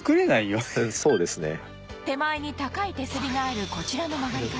手前に高い手すりがあるこちらの曲がり角